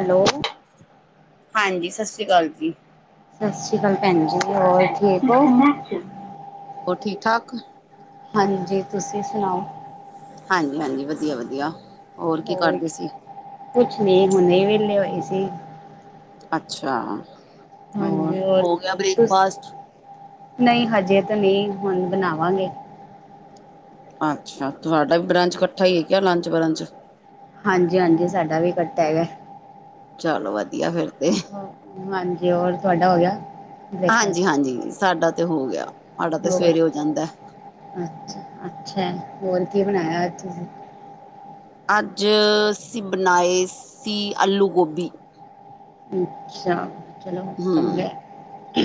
Hello ਹਾਂਜੀ, ਸਤਿ ਸ੍ਰੀ ਅਕਾਲ ਜੀ। ਸਤਿ ਸ਼੍ਰੀ ਅਕਾਲ ਭੈਣ ਸਤਿ ਜੀ ਸ਼੍ਰੀ ਹੋਰ ਅਕਾਲ ਠੀਕ ਹੋ ਭੈਣ ਜੀ, ਹੋਰ ਠੀਕ ਠਾਕ? ਹਾਂਜੀ, ਤੁਸੀਂ ਸੁਣਾਓ। ਹਾਂਜੀ-ਹਾਂਜੀ, ਵਧੀਆ-ਵਧੀਆ। ਕੀ ਹੋਰ ਕਰਦੇ ਸੀ? ਕੁਛ ਨੀ, ਹੁਣੇ ਹੀ ਵੇਹਲੇ ਹੋਈ ਸੀ। ਅੱਛਾ, ਹੋਰ ਹੋ ਗਿਆ ਤੁਸ ਬ੍ਰੇਕਫਾਸਟ? ਨਹੀਂ ਹਜੇ ਤੇ ਨਹੀਂ, ਹੁਣ ਬਣਾਵਾਂਗੇ। ਅੱਛਾ, ਤੁਹਾਡਾ ਵੀ ਬਰੰਚ ਇਕੱਠਾ ਹੀ ਹੈਗਾ, ਲੰਚ ਬਰੰਚ? ਹਾਂਜੀ-ਹਾਂਜੀ, ਸਾਡਾ ਵੀ ਕੱਠਾ ਹੈਗਾ ਹੈ। ਚਲੋ ਵਧੀਆ ਫੇਰ ਤੇ। ਹਾਂਜੀ ਹੋਰ ਤੁਹਾਡਾ ਹੋ ਗਿਆ? ਬ੍ਰੇਕਫਾਸਟ ਹਾਂਜੀ-ਹਾਂਜੀ, ਸਾਡਾ ਤੇ ਹੋ ਗਿਆ, ਸਾਡਾ ਤੇ ਸਵੇਰੇ ਹੋ ਜਾਂਦਾ ਹੈ। ਅੱਛਾ-ਅੱਛਾ ਹੈ, ਹੋਰ ਕੀ ਬਣਾਇਆ ਤੁਸੀਂ? ਅੱਜ ਅਸੀਂ ਬਣਾਏ ਸੀ ਆਲੂ ਗੋਭੀ। ਅੱਛਾ ਚਲੋ ਹੂ, ਚੰਗਾ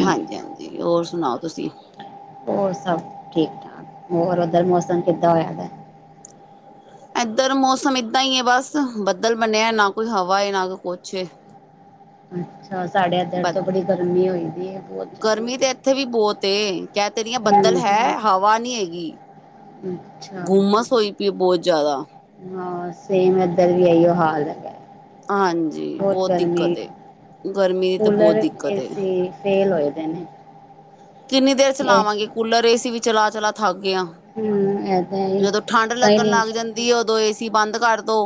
ਹਾਂਜੀ ਹਾਂਜੀ, ਹੋਰ ਸੁਣਾਓ ਤੁਸੀਂ? ਹੋਰ ਸਭ ਠੀਕ ਠਾਕ, ਹੋਰ ਓਧਰ ਮੌਸਮ ਕਿੱਦਾਂ ਹੋਯਾ ਦਾ ਹੈ? ਇੱਧਰ ਮੌਸਮ ਇੱਦਾਂ ਹੀ ਹੈ ਬਸ, ਬੱਦਲ ਬਣਿਆ, ਨਾ ਕੋਈ ਹਵਾ ਏ ਨਾ ਕੋਈ ਕੁਛ ਹੇ। ਅੱਛਾ, ਸਾਢੇ ਇਧਰ ਬ ਤੋਂ ਬੜੀ ਗਰਮੀ ਹੋਈ ਦੀ ਹੈ। ਬਹੁਤ ਜ਼ਿਆਦਾ ਗਰਮੀ ਤੇ ਇੱਥੇ ਵੀ ਬਹੁਤ ਏ, ਕਹਿ ਤੇ ਰੀਆਂ, ਬੱਦਲ ਹੂੰ ਹੈ ਹਵਾ ਨੀ ਹੈਗੀ। ਅੱਛਾ ਗੁੰਮਸ ਹੋਈ ਪਈ ਐ, ਬਹੁਤ ਜ਼ਿਆਦਾ। ਹਾਂ, ਸੇਮ ਏਧਰ ਵੀ ਇਹੀਓ ਹਾਲ ਹੈ। ਹਾਂਜੀ ਬਹੁਤ ਗਰਮੀ, ਦਿੱਕਤ ਏ। ਗਰਮੀ ਦੀ ਤਾਂ ਬਹੁਤ ਕੂਲਰ, ਦਿੱਕਤ ਏ। ਏਸੀ ਫੇਲ ਹੋਏ ਦੇ ਨੇ। ਕਿੰਨੀ ਦੇਰ ਇਹ ਚਲਾਵਾਂਗੇ ਕੂਲਰ, ਏ ਸੀ, ਵੀ ਚਲਾ, ਚਲਾ ਥੱਕ ਗਏ ਆ। ਹੂੰ ਇਹ ਤਾਂ ਹੈ ਹੀ। ਜਦੋਂ ਠੰਢ ਲੱਗਣ ਕਈ ਲੱਗ ਜਾਂਦੀ ਉਦੋਂ, ਏ ਸੀ ਬੰਦ ਕਰਦੋ।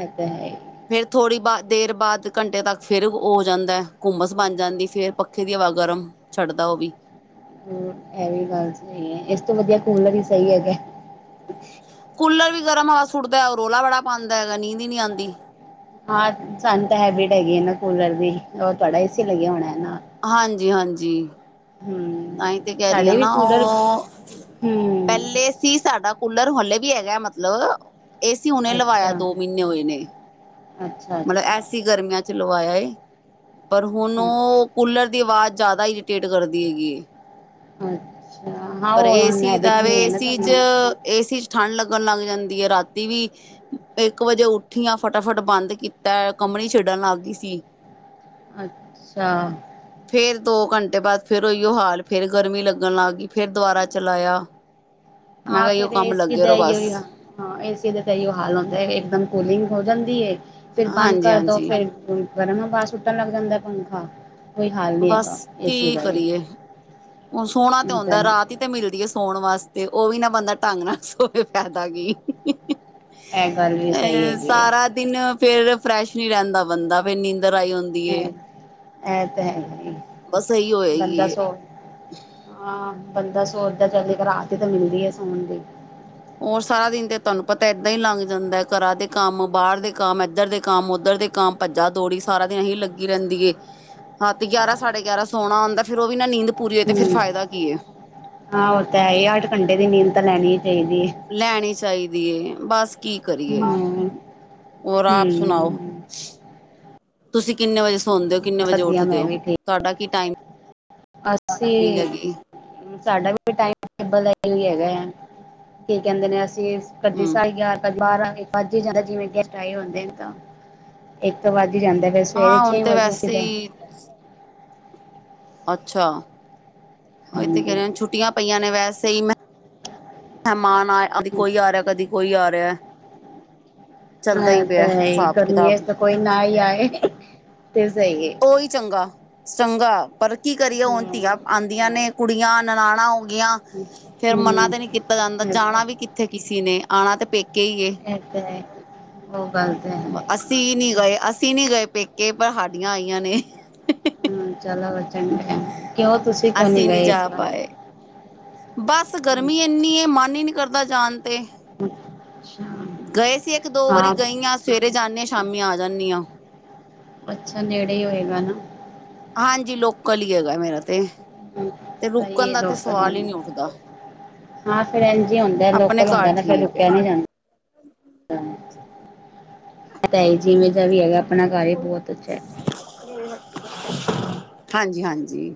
ਐ ਤੇ ਹੈ ਈ ਫੇਰ ਥੋੜ੍ਹੀ ਬਾ ਦੇਰ ਬਾਅਦ ਘੰਟੇ ਤੱਕ, ਫੇਰ ੳਹ ਹੋ ਜਾਂਦੈ, ਘੁੰਮਸ ਬਣ ਜਾਂਦੀ ਫਿਰ ਪ ਪੱਖੇ ਦੀ ਹਵਾ ਗਰਮ, ਛੱਡਦਾ ਉਹ ਵੀ ਇਹ ਵੀ ਗੱਲ ਸਹੀ ਏ, ਇਸ ਤੋਂ ਵਧੀਆ ਕੂਲਰ ਹੀ ਸਹੀ ਹੈਗੈ। [unintelligible] ਕੂਲਰ ਵੀ ਗਰਮ ਹਵਾ ਸੁੱਟਦਾ ਹੈ, ਰੋਲਾ ਬੜਾ ਪਾਉਦਾ ਹੈਗਾ, ਨੀਂਦ ਹੀ ਨਹੀਂ ਆਂਦੀ। ਹਾਂ ਸੰਨ ਤਾਂ ਹੈਬਿਟ ਹੈਗੀ ਹੈ ਨਾ ਕੂਲਰ ਦੀ, ਉਹ ਤੁਹਾਡਾ ਏ ਸੀ ਲੱਗਿਆ ਹੋਣਾ ਨਾਲ। ਹਾਂਜੀ-ਹਾਂਜੀ, ਤਾਂਹੀ ਤੇ ਹੂੰ ਕਹਿ ਰਹੀ ਹਾਂ ਸਾਡੇ ਵੀ ਨਾ ਕੂਲਰ ਉਹ ਹੂੰ ਪਹਿਲੇ ਸੀ ਸਾਡਾ ਕੂਲਰ, ਹਾਲੇ ਵੀ ਹੈਗਾ ਮਤਲਬ ਏ ਸੀ ਹੁਨੇ ਲਵਾਇਆ, ਦੋ ਮਹੀਨੇ ਹੋਏ ਨੇ। ਅੱਛਾ-ਅੱਛਾ। ਏ ਸੀ ਗਰਮੀਆਂ ਚ ਲਵਾਇਆ ਹੇ, ਪਰ ਹੁਣ ਅ ਉਹ ਕੂਲਰ ਦੀ ਆਵਾਜ਼ ਜ਼ਿਆਦਾ ਇਰੀਟੇਟ ਕਰਦੀ ਹੈਗੀ ਹੇ। ਅੱਛਾ ਹਾਂ ਪਰ ਉਹ ਹੁਣ ਏਸੀ ਦਾ ਹੈਬਿਟ ਵੇ, ਨਹੀਂ ਹੈ ਨਾ ਏਸੀ ਚ ਤੁਹਾਨੂੰ ਏ ਸੀ ਚ ਠੰਢ ਲੱਗਣ ਲੱਗ ਜਾਂਦੀ ਹੈ, ਰਾਤੀ ਵੀ, ਇੱਕ ਵਜੇ ਉੱਠੀ ਆਂ ਫਟਾਫਟ ਬੰਦ ਤਾਂ ਕਮਣੀ ਛਿਡਣ ਲੱਗ ਗਈ ਸੀ। ਅੱਛਾ ਫੇਰ ਦੋ ਘੰਟੇ ਬਾਅਦ ਫਿਰ ਉਹੀਓ ਹਾਲ। ਫੇਰ ਗਰਮੀ ਲੱਗਣ ਲੱਗ ਗਈ, ਫੇਰ ਦੁਬਾਰਾ ਚਲਾਇਆ। ਮੈਂ ਹਾਂ, ਕਿਹਾ ਇਹੀਓ ਫਿਰ ਕੰਮ ਇਸੇ ਲੱਗੇ ਰਹੋ ਬਸ ਦਾਈ ਆ। ਹਾਂ ਏਸੀ ਦੇ ਤਾਂ ਅਇਔ ਹਾਲ ਹੁੰਦੇ ਇਕਦਮ ਕੂਲਿੰਗ ਹੋ ਜਾਂਦੀ ਏ ਫਿਰ ਬੰਦ ਹਾਂਜੀ ਕਰ ਦਿਓ ਹਾਂਜੀ ਫਿਰ। ਗਰਮ ਹਵਾ ਸੁੱਟਣ ਲੱਗ ਜਾਂਦਾ ਪੰਖਾ। ਕੋਈ ਹਾਲ ਨਹੀਂ ਬਸ ਹੈਗਾ ਏਸੀ ਕੀ ਦਾ ਵੀ ਕਰੀਏ ਹੁਣ ਸੋਹਣਾ ਤੇ ਹੁੰਦਾ। ਇੰਟਰਨੈਟ ਰਾਤ ਹੀ- ਤੇ ਮਿਲਦੀ ਏ ਸੋਣ ਵਾਸਤੇ ਉਹ ਵੀ ਨਾ ਬੰਦਾ ਢੰਗ ਨਾਲ ਸੋਏ ਫਾਇਦਾ ਕੀ। ਇਹ ਗੱਲ ਵੀ ਸਹੀ ਅ ਹੈਗੀ ਹੈ ਸਾਰਾ ਦਿਨ ਫਿਰ ਫਰੈਸ਼ ਨਹੀਂ ਰਹਿੰਦਾ ਬੰਦਾ ਫੇਰ ਨੀਂਦਰ ਆਈ ਹੁੰਦੀ। ਏ। ਫਿਰ, ਇਹ ਤੇ ਹੈ ਹੀ ਬਸ ਇਹੀ ਬੰਦਾ ਹੋਏਗੀ ਸੋ। ਹਾਂ, ਬੰਦਾ ਸੋਚਦਾ ਚਲ ਇਕ ਰਾਤ ਹੀ ਤੇ ਮਿਲਦੀ ਹੈ ਸੋਣ ਦੀ। ਹੋਰ ਸਾਰਾ ਦਿਨ ਤੇ ਤੁਹਾਨੂੰ ਪਤੈ ਇੱਦਾਂ ਹੀ ਲੰਘ ਜਾਂਦੈ ਘਰਾਂ ਦੇ ਕੰਮ, ਬਾਹਰ ਦੇ ਕੰਮ, ਇੱਧਰ ਦੇ ਕੰਮ, ਉੱਧਰ ਦੇ ਕੰਮ। ਕੰਮ ਭੱਜਾ ਦੌੜੀ ਸਾਰਾ ਦਿਨ ਇਹੀ ਲੱਗੀ ਰਹਿੰਦੀ ਏ। ਹੱਦ ਗਿਆਰਾਂ ਸਾਢੇ ਗਿਆਰਾਂ ਸੋਹਣਾ ਹੁੰਦਾ ਫੇਰ ਉਹ ਵੀ ਨਾ ਨੀਂਦ ਪੂਰੀ ਹੋਵੇ ਤੇ ਫਿਰ ਹੂੰ ਫਾਇਦਾ ਕੀ ਏ। ਹਾਂ ਉਹ ਤੇ ਹੈ ਹੀ, ਅੱਠ ਘੰਟੇ ਦੀ ਨੀਂਦ ਤਾਂ ਲੈਣੀ ਹੀ ਚਾਹੀਦੀ ਏ। ਲੈਣੀ ਚਾਹੀਦੀ ਏ ਬਸ ਕੀ ਕਰੀਏ। ਹਮ ਹੋਰ, ਆਪ ਸੁਣਾਓ? ਹਮ ਤੁਸੀਂ ਕਿੰਨੇ ਵਜੇ ਸੌਂਦੇ ਹੋ ਕਿੰਨੇ ਬਸ ਵਜੇ ਵਧੀਆ ਉੱਠਦੇ ਮੈਂ ਹੋ ਵੀ ਤੁਹਾਡਾ ਕੀ ਟਾਈਮ। ਠੀਕ ਸਾਡਾ ਵੀ ਕੋਈ ਟਾਈਮ ਟੇਬਲ ਦਾ ਇਹ ਹੀ ਹੈਗਾ ਆ ਕੀ ਕਹਿੰਦੇ ਨੇ। ੇ ਕਦੇ ਹਮ ਸਾਈ ਯ [unintelligible] ਬਾਰ੍ਹਾਂ ਤਾ ਵੱਜ ਹੀ ਜਾਂਦਾ ਜਿਵੇਂ ਗੈਸਟ ਆਏ ਹੁੰਦੇ ਨੇ ਤਾਂ ਇੱਕ ਤੇ ਵੱਜ ਹੀ ਜਾਂਦੈ। ਫਿਰ ਸਵੇਰੇ ਹਾਂ ਹੁਣ ਛੇ ਤੇ ਵਜੇ ਵੈਸੇ ੳਠਦੇ। ਹੀ ਅੱਛਾ, ਉਹੀ ਤੇ ਕਹਿ ਹਾਂਜੀ ਰਹੇ ਛੁੱਟੀਆਂ ਪਈਆਂ ਨੇ ਵੈਸੇ ਹੀ। ਮੈਂ ਮਹਿਮਾਨ ਆਏ ਕਦੀ ਕੋਈ ਆ ਰਿਹਾ, ਕਦੀ ਕੋਈ ਆ ਰਿਹਾ। ਹਾਂ ਚੱਲਦਾ ਹੀ ਇਹ ਤਾਂ ਪਿਆ ਹੈ ਹੀ, ਹਿਸਾਬ ਗਰਮਿਆਂ ਚ ਕਿਤਾਬ ਤੇ ਕੋਈ ਨਾ ਹੀ ਆਏ ਤੇ ਸਹੀ ਏ। ਉਹੀ ਚੰਗਾ, ਚੰਗਾ ਪਰ ਕੀ ਕਰੀਏ ਹੁਣ ਹਮ ਧੀਆਂ। ਆਉਂਦੀਆਂ ਨੇ ਕੁੜੀਆਂ ਨਨਾਣਾਂ ਹੋ ਗਈਆਂ ਫੇਰ ਮਨਾ ਤੇ ਨਹੀਂ ਕੀਤਾ ਜਾਂਦਾ ਹਮ ਜਾਣਾ ਵੀ ਕਿੱਥੇ। ਕਿੱਥੇ ਕਿਸੇ ਨੇ ਆਣਾ ਤੇ ਪੇਕੇ ਹੀ ਏ। ਇਹ ਤੇ ਹੈ ਉਹ ਗੱਲ ਤੇ ਹੈ ਅਸੀਂ ਨਹੀਂ ਗਏ, ਅਸੀਂ ਨਹੀਂ ਗਏ ਪੇਕੇ ਪਰ ਸਾਡੀਆਂ ਆਈਆਂ ਨੇ। ਹਮ ਚਲੋ ਚੰਗਾ, ਕਿਉਂ ਤੁਸੀਂ ਕਿਉਂ ਨੀ ਅਸੀਂ ਨਹੀਂ ਗਏ ਇਸ ਜਾ ਵਾਰ। ਪਾਏ ਬਸ ਗਰਮੀ ਇੰਨੀ ਏ, ਮਨ ਹੀ ਨਹੀਂ ਕਰਦਾ ਜਾਣ ਤੇ। ਹਮ। ਗਏ ਸੀ ਇੱਕ, ਦੋ ਵਾਰੀ ਗਈ ਆ, ਸਵੇਰੇ ਜਾਣੇ ਆ, ਸ਼ਾਮੀ ਆ ਜਾਣੀ ਆ। ਅੱਛਾ, ਨੇੜੇ ਈ ਹੋਏਗਾ ਨਾ। ਹਾਂਜੀ, ਲੋਕਲ ਈ ਹੈਗਾ ਮੇਰਾ ਤੇ। ਤੇ ਸਹੀ ਰੁਕਣ ਏ ਦਾ ਤੇ ਲੋਕਲ ਸਵਾਲ ਹੀ ਵੀ। ਨਹੀਂ ਉੱਠਦਾ ਹਾਂ ਫੇਰ ਇੰਜ ਹੁੰਦਾ ਆਪਣੇ ਲੋਕਲ ਘਰ ਹੁੰਦਾ ਨਾ, ਫਿਰ ਠੀਕ ਹੈ ਰੁਕਿਆ ਨੀ ਜਾਂਦਾ। ਹ [inaudible] ਐ ਤਾਂ ਹੈ ਹੀ, ਜਿਵੇਂ ਜਿਹਾ ਵੀ ਹੈਗਾ ਆਪਣਾ ਘਰ ਹੀ ਬਹੁਤ ਅੱਛੈ। ਹਾਂਜੀ, ਹਾਂਜੀ।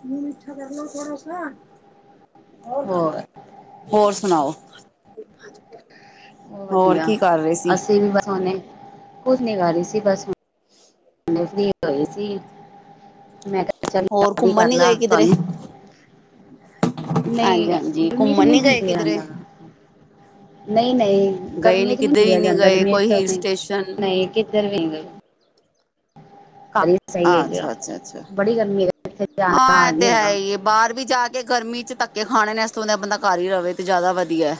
ਤੁ ਝਗਰ ਲੋ ਥੋੜਾ ਸਾ [unintelligible] ਹੋਰ ਹੋਰ ਸੁਣਾਓ? ਬਹੁ ਹੋਰ ਵਧੀਆ, ਕੀ ਕਰ ਰਹੇ ਸੀ? ਅਸੀਂ ਵੀ ਬਸ ਹੁਨੇ ਕੁਛ ਨੀ ਕਰ ਰਹੀ ਸੀ ਬਸ ਥਸ ਫਰੀ ਹੋਏ ਸੀ। ਮੈਂ ਕਿਹਾ ਚਲ ਹੋਰ ਯਾਦ ਹੀ ਘੁੰਮਣ ਕਰ ਨੀ ਲਾ ਗਏ ਕਿਧਰੇ? ਤੁਹਾਨੂੰ। ਨਹੀਂ, ਹਾਂਜੀ-ਹਾਂਜੀ ਗਰਮੀ ਚ ਘੁੰਮਣ ਨਹੀ ਨੀ ਗਏ ਨਿਕਲਿਆ ਕਿਧਰੇ? ਜਾਂਦਾ। ਨਹੀਂ, ਨਹੀਂ ਗਏ ਗਰਮੀਆਂ ਨੀ ਚ ਨਹੀਂ ਕਿਤੇ ਵੀ ਨਿਕਲਿਆ ਨੀ ਜਾਂਦਾ। ਗਏ ਗਰਮੀਆਂ ਚ ਕੋਈ ਤਾਂ ਹਿਲ ਸਟੇਸ਼ਨ ਨਹੀਂ- ਦੇਰਵੀ ਗ [unintelligible] ਖ [unintelligible] ਅੱਛਾ, ਅੱਛਾ, ਅੱਛਾ ਇੱਥੇ ਜਾਣ ਦਾ ਹਾਂ ਇਹ ਹਾਲ ਤੇ ਨਹੀਂ ਹੈਗਾ ਹੈ ਹੀ ਏ। ਬਾਹਰ ਵੀ ਜਾ ਕੇ ਗਰਮੀ 'ਚ ਧੱਕੇ ਖਾਣੇ ਨੇ ਇਸ ਤੋਂ ਵਧੀਆ ਬੰਦਾ ਘਰ ਹੀ ਰਵੇ ਤਾਂ ਜ਼ਿਆਦਾ ਵਧੀਆ।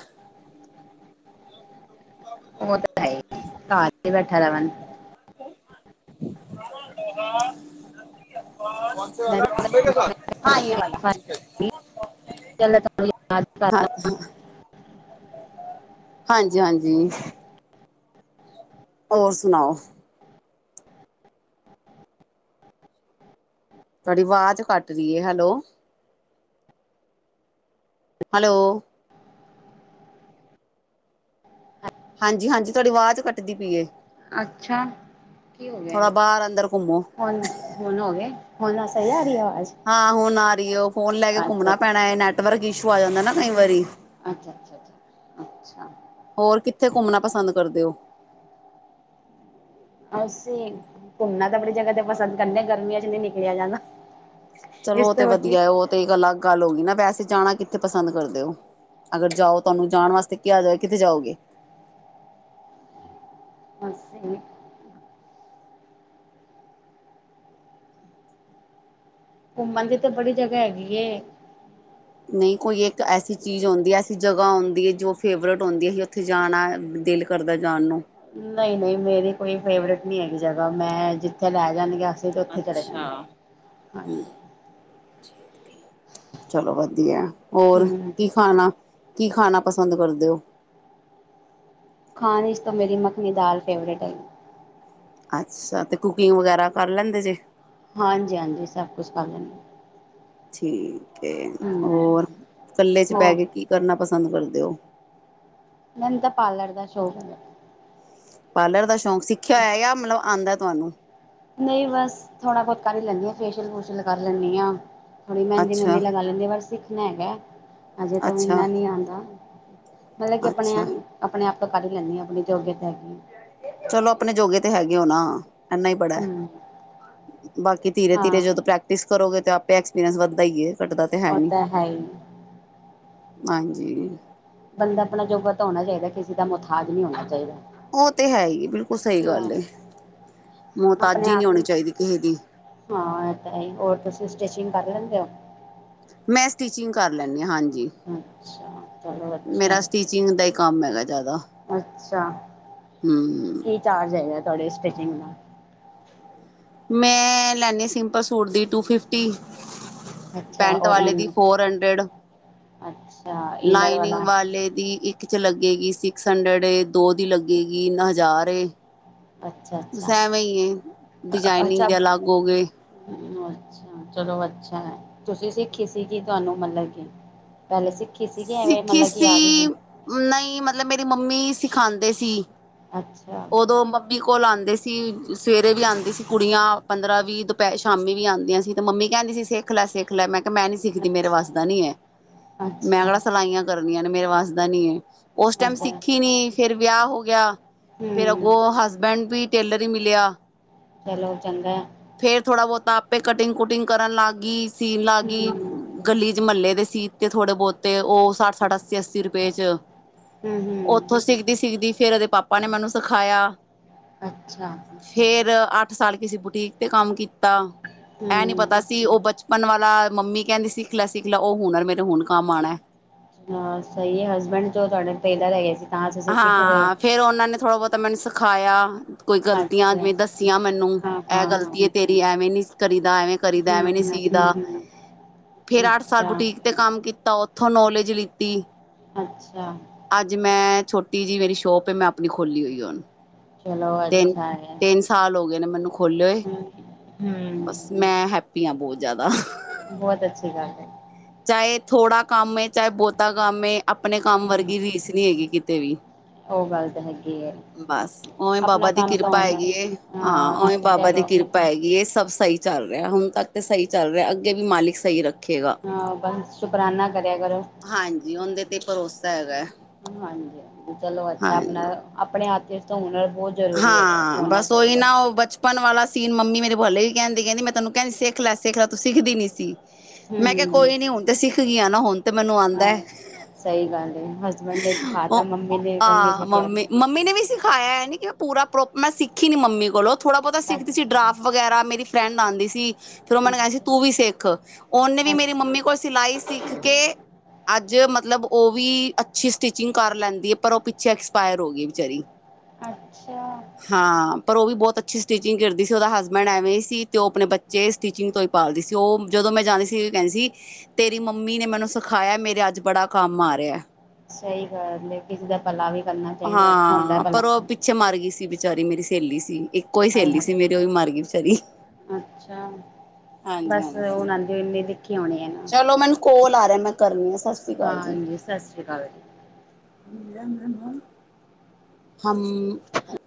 ਉਹ ਤੇ ਹੈ ਈ, ਘਰ ਤੇ ਬੈਠਾ ਰਵਣ। [unintelligible] [inaudible] ਕੋਨ ਸੇ ਮੈਂ ਵਾਲਾ ਵੀ ਖੰਬੇ ਕੇ ਸਾਥ, ਹਾਂ ਯੇ ਵਾਲਾ। ਪਹਿਲਾਂ ਤੁਹਾਨੂੰ ਯਾਦ ਹਾਂ, ਕਰ ਹਾਂ, ਹਾਂਜੀ-ਹਾਂਜੀ। ਹੋਰ ਸੁਨਾਓ? ਤੁਆਡੀ ਵਾਜ਼ ਕੱਟ ਰੀ ਏ, ਹੈਲੋ, ਹੈਲੋ। ਹਾਂਜੀ-ਹਾਂਜੀ, ਤੁਆਡੀ ਵਾਜ਼ ਕੱਟਦੀ ਪੀ ਏ। ਅੱਛਾ, ਕੀ ਹੋ ਗਿਆ ਥੋੜਾ ਬਾਹਰ ਅੰਦਰ ਘੁੰਮੋ। ਹੁਨ ਹੁਣ ਹੋ ਗਿਆ। ਹਾਂ ਹੁਨ ਆ ਰਹੀ ਏ, ਫੋਨ ਲੈ ਕੇ ਅੱਛਾ ਘੁੰਮਣਾ ਪੈਣਾ ਐ ਨੈੱਟ ਵਰਕ ਈਸ਼ੂ ਆ ਜਾਂਦਾ ਨਾ ਕਈ ਵਾਰੀ। ਅੱਛਾ, ਅੱਛਾ, ਅੱਛ, ਅੱਛਾ। ਹੋਰ ਕਿੱਥੇ ਘੁੰਮਨਾ ਪਸੰਦ ਕਰਦੇ ਓ? ਅਸੀਂ ਘੁੰਮਨਾ ਤਾਂ ਬੜੀ ਜਗਾ ਤੇ ਪਸੰਦ ਕਰਦੇ ਆ, ਗਰਮੀਆਂ ਚ ਨਈ ਨਿਕਲਿਆ ਜਾਂਦਾ। ਚਲੋ ਇਸ ਉਹ ਤੇ ਤੋਂ ਵਧੀਆਂ ਵਧੀਆ ਉਹ ਤੇ ਇੱਕ ਅਲੱਗ ਗੱਲ ਹੋ ਗਈ ਨਾ ਵੈਸੇ ਜਾਣਾ ਕਿੱਥੇ ਪਸੰਦ ਕਰਦੇ ਓ। ਅਗਰ ਜਾਓ ਤੁਹਾਨੂੰ ਜਾਣ ਵਾਸਤੇ ਕਿਹਾ ਜਾਵੇ ਕਿੱਥੇ ਜਾਓਗੇ? ਬਸ ਏਹੀ ਘੁੰਮਨ ਦੀ ਤੇ ਬੜੀ ਜਗਾ ਹੈਗੀ ਏ। ਨਹੀਂ ਕੋਈ ਇੱਕ ਐਸੀ ਚੀਜ਼‌ ਹੋਂਦੀ ਐ, ਐਸੀ ਜਗਾ ਹੋਂਦੀ ਏ ਜੋ ਫੇਵਰੇਟ ਹੋਦੀ ਏ ਉੱਥੇ ਜਾਣਾ ਦਿਲ ਕਰਦਾ ਜਾਨ ਨੂੰ। ਨਹੀ-ਨਹੀ, ਮੇਰੀ ਕੋਈ ਫੇਵਰੇਟ ਨੀ ਹੈਗੀ ਜਗਾ, ਮੈਂ ਜਿੱਥੇ ਲੈ ਜਾਨਗੇ ਅਸ ਸੀ ਉੱਥੇ ਚਲੇ ਜਾਣੇ ਅੱਛਾ ਹਾਂਜੀ। ਚਲੋ ਵਧੀਆ, ਹੋਰ ਹੂੰ ਕੀ ਖਾਣਾ। ਕੀ ਖਾਣਾ ਪਸੰਦ ਕਰਦੇ ਓ? ਖਾਣ ਇਚ ਤੇ ਮੇਰੀ ਮੱਖਣੀ ਦਾਲ ਫੇਵਰੇਟ ਏ। ਅੱਛਾ ਤੇ ਕੁਕਿੰਗ ਵਗੈਰਾ ਕਰ ਲੈਂਦੇ ਜੇ। ਹਾਂਜੀ-ਹਾਂਜੀ ਸਭ ਕੁਛ ਕਰ ਲੈਨੇ ਆ। ਠੀਕ ਏ ਹੂੰ ਹੋਰ ਕੱਲੇ ਚ ਬੈਹ ਹੋਰ ਕੇ ਕੀ ਕਰਨਾ ਪਸੰਦ ਕਰਦੇ ਓ? ਮੈਨ ਤਾਂ ਪਾਰਲਰ ਦਾ ਸ਼ੋਕ ਹੈਗਾ। ਪਾਰਲਰ ਦਾ ਸ਼ੌਂਕ ਸਿੱਖਿਆ ਹੋਇਆ ਯਾ ਮਤਲਬ ਆਂਦਾ ਤੁਹਾਨੂੰ। ਨਹੀਂ ਬਸ ਥੋੜਾ-ਬਹੁਤ ਕਰ ਈ ਲੈਂਦੀ ਹਾਂ। ਫੇਸ਼ੀਅਲ- ਫੁਸ਼ਲ ਕਰ ਲੈਂਨੀ ਆ। ਥੋੜ੍ਹੀ ਮਹਿੰਦੀ-ਮੁਨਦੀ ਅੱਛਾ ਲਗਾ ਲੈਂਦੀ ਆ ਬਸ ਸਿਖਨਾ ਹੇਗਾ। ਅਜੇ ਤੋਂ ਅੱਛਾ ਇਨਾ ਨੀ ਆਉਂਦਾ ਮਤਲਬ ਕਿ ਆਪਣੇ ਅੱਛਾ ਆਪਣੇ ਆਪ ਤੋਂ ਕਰ ਲੈਂਨੀ ਆ ਇੰਨੇ ਜੋਗੀ ਤਾ ਹੈਗੀ। ਚਲੋ ਅਪਨੇ ਜੋਗੇ ਤੇ ਹੈਗੇ ੳ ਨਾ। ਏਨਾਂ ਹੀ ਬੜਾ ਹੂੰ ਬਾਕੀ ਧੀਰੇ, ਧੀਰੇ ਹਾਂ ਜਦੋਂ ਪ੍ਰੈਕ ਕਰੋਗੇ ਤਾਂ, ਆਪੇ ਐਕਸਪੀਰੀਅਸ ਵੱਧਦਾ ਹੀ ਏ ਘੱਟਦਾ ਤੇ ਹੈ ਉਹ ਨੀ। ਤਾਂ ਹੀ ਹਾਂਜੀ। ਬੰਦਾ ਅਪਣੇ ਜੋਗਾ ਤਾਂ ਹੋਣਾ ਚਾਈਦਾ, ਕਿਸੇ ਦਾ ਮੁਥਾਜ ਨੀ ਹੋਣਾ ਚਾਹੀਦਾ। ਉਹ ਤੇ ਹੈ ਈ ਏ ਬਿਲਕੁਲ ਸਈ ਹਾਂ ਗੱਲ ਏ, ਆਪਣੇ ਮੁਹਤਾਜ਼ੀ ਨਹੀਂ ਆਪ ਹੋਣੀ ਨੂੰ ਚਾਈਦੀ ਕਿਸੇ ਦੀ। ਹਾਂ, ਇਹ ਤਾਂ ਹੈ ਹੀ ਹੋਰ ਤੁਸੀਂ ਸਟਿਚਿੰਗ ਕਰ ਲੈਂਦੇ ਓ? ਮੈਂ ਸਟਿਚਿੰਗ ਕਰ ਲੈਨੀ ਆ, ਹਾਂਜੀ। ਅੱਛਾ ਚਲੋ ਅੱਛਾ ਮੇਰਾ ਹੈ। ਸਟੀਚਿੰਗ ਦਾ ਈ ਕੰਮ ਹੈਗਾ ਜੈਦਾ। ਅੱਛਾ ਹੂੰ। ਕੀ ਚਾਰਜ ਹੈਗਾ ਤੁਆਡੀ ਸਟਿਚਿੰਗ ਦਾ? ਮੈਂ ਲੈਨੀ ਆ ਸਿੰਪਲ ਸੂਟ ਦੀ ਟੂ ਫਿਫ ਟੀ, ਅੱਛਾ ਪੈਂਟ ਔਰ ਵਾਲੇ ਦੀ ਇਨ ਫੋਰ ਹੰਡਰਡ ਅੱਛਾ। ਇਨਰ ਲਾਈਨਿੰਗ ਵਾਲਾ ਵਾਲੇ ਦੀ ਇੱਕ ਚ ਲੱਗੇਗੀ ਸਿਕਸ ਹੰਡਰਡ ਏ, ਦੋ ਦੀ ਲੱਗੇਗੀ ਹਜ਼ਾਰ ਏ। ਅੱਛਾ ਬਸ ਅੱਛਾ ਐਵੇ ਈ ਏ, ਡਿਜਾਇਨਿੰਗ ਦੇ ਅਲੱਗ ਹੋ ਗਏ। ਮ ਅੱਛਾ, ਚਲੋ ਅੱਛਾ, ਤੁਸੀਂ ਸਿੱਖੀ ਸੀ ਕਿ ਤੁਆਨੂੰ ਮਤਲਬ ਕੀ ਪੈਲੇ ਸਿੱਖੀ ਸੀਗੀ ਐਵੇਂ ਮਤਲਬ ਕੀ ਆ ਗੀ ਸੀ। ਨਹੀਂ ਮਤਲਬ, ਮੇਰੀ ਮੰਮੀ ਸਿਖਾਉਂਦੇ ਸੀ। ਅੱਛਾ ਉਦੋਂ ਦੀ ਕੋਲ ਆਉਂਦੇ ਸੀ। ਸਵੇਰੇ ਵੀ ਆਉਂਦੀ ਸੀ, ਕੁੜੀਆਂ ਪੰਦਰਾਂ ਵੀਹ ਦੁਪਹਿਰ, ਸ਼ਾਮੀ ਵੀ ਆਉਂਦੀਆਂ ਸੀ। ਤੇ ਮੰਮੀ ਕਹਿੰਦੀ ਸੀ ਸਿੱਖ ਲੈ, ਸਿੱਖ ਲੈ, ਮੈਂ ਕਿਹਾ ਮੈਂ ਨਹੀਂ ਸਿੱਖਦੀ, ਮੇਰੇ ਅੱਛਾ ਵਸ ਦਾ ਨਹੀਂ ਹੈ। ਮੈਂ ਕਿੜਾ ਅੱਛਾ ਸਿਲਾਈਆਂ ਕਰਨੀਆਂ ਨੇ ਮੇਰੇ ਵੱਸਦਾ ਨੀ ਏ ਉਸ ਟਾਈਮ ਸਿੱਖੀ ਹੂੰ ਨੀ ਫੇਰ ਵਿਆਹ ਹੋ ਗਿਆ ਫੇਰ ਅੱਗੋਂ ਹਸਬੈਂਡ ਵੀ ਟੇਲਰ ਹੀ ਮਿਲਿਆ। ਚਲੋ ਚੰਗਾ ਐ। ਫੇਰ, ਥੋੜ੍ਹਾ ਬਹੁਤ ਆਪ ਪੇ ਕਟਿੰਗ ਕੁਟਿੰਗ ਕਰਨ ਲੱਗ ਗੀ ਸੀਨ ਲੱਗ ਹੂੰ ਗਈ ਹੂੰ ਗਲੀ ਚ ਮਹੱਲੇ ਦੇ ਸੀ ਤੇ ਥੋੜੇ ਬਹੁਤੇ ਉਹ ਸੱਠ ਸੱਠ ਅੱਸੀ ਅੱਸੀ ਰੁਪਏ ਚ ਉਹ ਹੂੰ ਉੱਥੋਂ ਸਿੱਖਦੀ ਸਿੱਖਦੀ ਫਿਰ ਉਹਦੇ ਪਾਪਾ ਨੇ ਮੈਨੂੰ ਸਿਖਾਇਆ। ਅੱਛਾ ਫੇਰ ਅੱਠ ਸਾਲ ਕਿਸੇ ਬੁਟੀਕ ਤੇ ਕੰਮ ਕੀਤਾ। ਇਹ ਨੀ ਪਤਾ ਤਾਂ ਹੂੰ ਸੀ ਉਹ ਬਚਪਨ ਵਾਲਾ ਮੰਮੀ ਕਹਿੰਦੀ ਸੀ। ਸਿੱਖ ਲੈ, ਸਿੱਖ ਲੈ, ਉਹ ਹੁਨਰ ਮੇਰੇ ਹੁਣ ਕੰਮ ਆਉਣਾ। ਹਾਂ ਸਹੀ ਹੈ। ਹਸਬੈਂਡ ਜੋ ਤੁਹਾਡੇ ਟੇਲਰ ਹੈਗੇ ਸੀ। ਤਾਂ ਤੁਸੀਂ ਸਿੱਖ ਗਏ ਹਾਂ, ਫੇਰ ਉਹਨਾਂ ਨੇ ਥੋੜ੍ਹਾ ਬਹੁਤਾ ਮੈਨੂੰ ਸਿਖਾਇਆ। ਕੋਈ ਗਲਤੀਆਂ ਅੱਛਾ ਜਿਵੇਂ ਦੱਸੀਆਂ ਮੈਨੂੰ ਹਾਂ ਇਹ ਹਾਂ ਹਾਂ ਗਲਤੀ ਤੇਰੀ ਐਵੇਂ ਨੀ ਕਰੀਦਾ ਐਵੇਂ- ਕਰੀ ਦਾ ਹੂੰ ਐਵੇਂ ਨੀ ਹੂੰ ਹੂੰ ਸੀਦਾ ਹੂੰ ਫੇਰ ਅੱਠ ਸਾਲ ਅੱਛਾ ਬੁਟੀਕ ਤੇ ਕੰਮ ਕੀਤਾ ਉੱਥੋਂ ਨੌਲੇਜ ਲਿੱਤੀ। ਅੱਛਾ ਅੱਜ ਮੈਂ ਛੋਟੀ ਜਿਹੀ ਮੇਰੀ ਸ਼ੋਪ ਏ, ਮੈਂ ਆਪਣੀ ਖੋਲੀ ਹੋਈ ਹੁਨ। ਚਲੋ ਅੱਛਾ ਹੈ। ਸਾਲ ਹੋ ਗਏ ਨੇ ਮੈਨੂੰ ਖੋਲੇ ਹੋਏ। ਹੂੰ ਹੂੰ ਬਸ ਮੈਂ ਹੈਪੀ ਹਾਂ ਬਹੁਤ ਜ਼ਿਆਦਾ। ਬਹੁਤ ਅੱਛੀ ਗੱਲ ਹੈ। ਚਾਹੇ ਥੋੜ੍ਹਾ ਕੰਮ ਏ, ਚਾਹੇ ਬਹੁਤਾ ਕੰਮ ਏ, ਆਪਣੇ ਕੰਮ ਹੂੰ ਵਰਗੀ ਰੀਸ ਨਹੀਂ ਹੈਗੀ ਕਿਤੇ ਵੀ ਉਹ ਗੱਲ ਤਾਂ ਹੈਗੀ ਹੈ ਬਸ ਓਏ ਬਾਬਾ ਆਪਣਾ ਦੀ ਕੰਮ ਤਾਂ ਕਿਰਪਾ ਹੋਣਾ ਹੈਗੀ ਹਾਂ ਓਏ ਬਾਬਾ ਦੀ ਕਿਰਪਾ ਹੈਗੀ ਏ ਸਭ ਸਹੀ ਚੱਲ ਰਿਹਾ, ਹੁਣ ਤੱਕ ਤਾਂ ਸਹੀ ਚੱਲ ਰਿਹਾ, ਅੱਗੇ ਵੀ ਮਾਲਿਕ ਸਹੀ ਰੱਖੇਗਾ। ਹਾ ਬਸ ਸ਼ੁਕਰਾਨਾ ਕਰਿਆ ਕਰੋ। ਹਾਂਜੀ ਉਹਦੇ ਤੇ ਭਰੋਸਾ ਹੈਗਾ ਐ। ਹਾਂਜੀ ਹਾਂਜੀ ਚਲੋ ਅੱਛਾ ਆਪਣਾ ਆਪਣੇ ਹੱਥ ਵਿੱਚ ਤੋਂ ਹੁਨਰ ਬਹੁਤ ਜ਼ਰੂਰੀ ਹੈਗਾ ਹਾਂ ਹੋਣਾ ਬਸ ਉਓਹੀ ਚਾਹੀਦਾ। ਨਾ ਉਹ ਬਚ ਪਨ ਵਾਲਾ ਸੀਨ ਮੰਮੀ ਮੇਰੇ ਭਲੇ ਹੀ ਕਹਿੰਦੀ ਕਹਿੰਦੀ ਮੈਂ ਤੈਨੂੰ ਕਹਿੰਦੀ ਸਿੱਖ ਲੈ ਸਿੱਖ ਲੇ ਤੂੰ ਸਿੱਖਦੀ ਨੀ ਸੀ ਮੈਂ ਕਿਹਾ ਹੂੰ ਕੋਈ ਨੀ ਹੁਣ ਤੇ ਸਿੱਖ ਗਈਆਂ ਨਾ ਹੁਣ ਤੇ ਮੈਨੂੰ ਆਉਂਦਾ ਹਾਂ ਹੈ ਸਹੀ ਗੱਲ ਏ ਹਸਬੈਂਡ ਨੇ ਸਿਖਾ ਤਾ ਉਹ ਮੰਮੀ ਨੇ ਕੋਲ ਨਹੀਂ ਆਹ ਸਿੱਖਿਆ। ਮੰਮੀ ਮੰਮੀ ਨੇ ਵੀ ਸਿਖਾਇਆ ਹੈ ਨ ਕਿੈਂ ਪੂਰਾ ਪ੍ਰੋਪ ਮੈਂ ਸਿੱਖੀ ਨ ਮੰਮੀ ਕੋਲੋਂ ਥੋੜਾ ਬਹੁਤਾ ਸਿੱਖਦੀ ਸੀ ਅੱਛਾ ਡਰਾਫਟ ਵਗੈਰਾ ਮੇਰੀ ਫਰੈਂਡ ਆਉਂਦੀ ਸੀ। ਫਿਰ ਉਹਨਾਂ ਨੇ ਕਿਹਾ ਸੀ ਅੱਛਾ ਤੂੰ ਵੀ ਸਿੱਖ ਉਹਨੇ ਵੀ ਮੇਰੀ ਮੰਮੀ ਅੱਛਾ ਕੋਲ ਸਿਲਾਈ ਸਿੱਖ ਕੇ ਅੱਜ ਮਤਲਬ ਉਹ ਵੀ ਅੱਛੀ ਸਟਿਚਿੰਗ ਕਰ ਲੈਂਦੀ ਹੈ ਪਰ ਉਹ ਪਿੱਛੇ ਐਕਸਪਾਇਰ ਹੋ ਗਈ ਵਿਚਾਰੀ ਅੱਛਾ ਹਾਂ ਪਰ ਉਹ ਵੀ ਬਹੁਤ ਅੱਛੀ ਸਟੀਿਚਿੰਗ ਕਰਦੀ ਸੀ ਉਹਦਾ ਹਸਬੈਂਡ ਐਵੇਂ ਹੀ ਸੀ, ਤੇ ਉਹ ਆਪਣੇ ਬੱਚੇ ਸਟੀਿਚਿੰਗ ਤੋਂ ਹੀ ਪਾਲਦੀ ਸੀ। ਉਹ ਜਦੋਂ ਮੈਂ ਜਾਂਦੀ ਸੀ, ਉਹ ਕਹਿੰਦੀ ਸੀ ਤੇਰੀ ਮੰਮੀ ਨੇ ਮੈਨੂੰ ਸਿਖਾਇਆ ਮੇਰੇ ਅੱਜ ਬੜਾ ਕੰਮ ਆ ਰਿਹਾ ਹੈ। ਸਹੀ ਗੱਲ ਹੈ ਕਿਸੇ ਦਾ ਭਲਾ ਵੀ ਕਰਨਾ ਚਾਹੀਦਾ ਅੱਛਾ ਹੁੰਦਾ ਹਾਂ ਭਲਾ ਪਰ ਉਹ ਪਿੱਛੇ ਮਰ ਗਈ ਸੀ ਬਚਾਰੀ, ਮੇਰੀ ਸਹੇਲੀ ਸੀ ਇੱਕੋ ਹੀ ਆਏ ਹਾਏ ਸਹੇਲੀ ਸੀ, ਹਾਏ, ਮੇਰੇ ਉਹ ਵੀ ਮਰ ਗਈ ਬਚਾਰੀ। ਅੱਛਾ ਬਸ ਹਾਂਜੀ ਉਨਾਦੇ ਇਨੇ ਲਿਖੇ ਹੋਣੇ ਨਾ ਚਲੋ ਮੈਨੂੰ ਕੋਲ ਆ ਰਿਹਾ ਮੈਂ ਕਰਨੀ ਆ ਸਤਿ ਸ੍ਰੀ ਅਕਾਲ ਜੀ ਹਾਂਜੀ ਸਤਿ ਸ਼੍ਰੀ ਅਕਾਲ। [unintelligible]